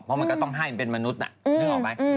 เพราะมันก็ต้องให้มันเป็นมนุษย์นึกออกไหม